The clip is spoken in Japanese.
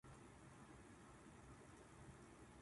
シイタケ